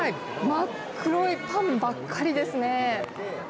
真っ黒いパンばかりですね。